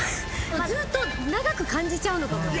ずっと長く感じちゃうのかもね。